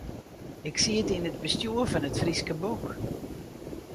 Ik siet yn it bestjoer fan It Fryske Boek.